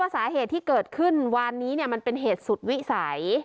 สาเหตุที่เกิดขึ้นวานนี้มันเป็นเหตุสุดวิสัย